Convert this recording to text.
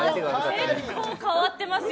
結構変わっていますよ